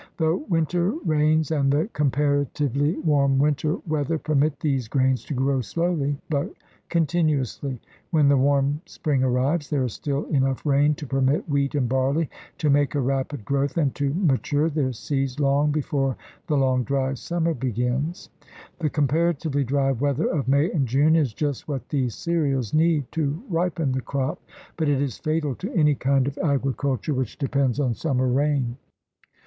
The winter rains and the comparatively warm winter weather permit these grains to grow slowly but continu ously. When the warm spring arrives, there is still enough rain to permit wheat and barley to make a rapid growth and to mature their seeds long before the long, dry summer begins. The com paratively dry weather of May and June is just what these cereals need to ripen the crop, but it is fatal to any kind of agriculture which depends on summer rain.